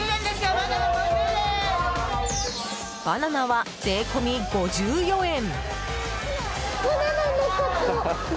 バナナは税込み５４円！